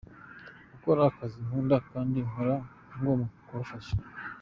gukora akazi Nkunda kandi nkora ngomba kubafasha.